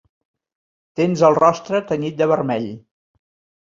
Tens el rostre tenyit de vermell.